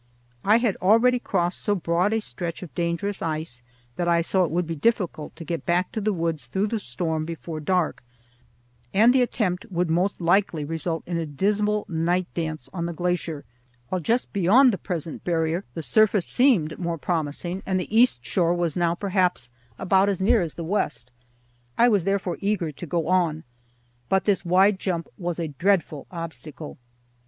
I had already crossed so broad a stretch of dangerous ice that I saw it would be difficult to get back to the woods through the storm, before dark, and the attempt would most likely result in a dismal night dance on the glacier; while just beyond the present barrier the surface seemed more promising, and the east shore was now perhaps about as near as the west. I was therefore eager to go on. But this wide jump was a dreadful obstacle.